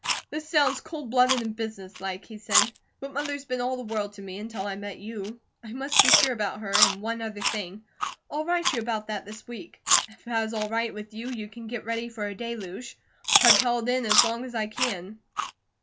"This sounds cold blooded and business like," he said. "But Mother's been all the world to me, until I met you. I must be sure about her, and one other thing. I'll write you about that this week. If that is all right with you, you can get ready for a deluge. I've held in as long as I can.